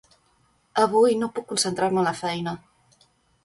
Avui no puc concentrar-me en la feina.